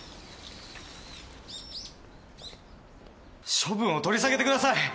処分を取り下げてください。